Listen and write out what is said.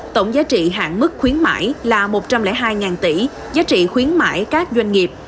tổng giá trị hạn mức khuyến mại là một trăm linh hai tỷ giá trị khuyến mãi các doanh nghiệp